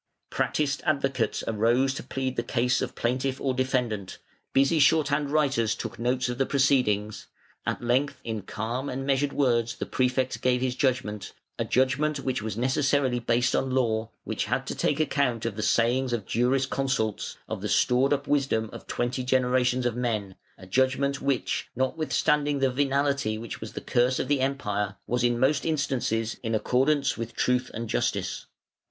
Practised advocates arose to plead the cause of plaintiff or defendant; busy short hand writers took notes of the proceedings; at length in calm and measured words the Prefect gave his judgment; a judgment which was necessarily based on law, which had to take account of the sayings of jurisconsults, of the stored up wisdom of twenty generations of men; a judgment which, notwithstanding the venality which was the curse of the Empire, was in most instances in accordance with truth and justice.